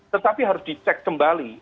tetapi harus dicek kembali